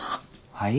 はい？